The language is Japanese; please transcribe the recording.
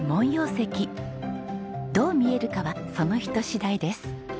どう見えるかはその人次第です。